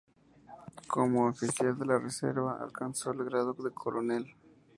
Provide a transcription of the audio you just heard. Como oficial de la reserva alcanzó el grado de coronel.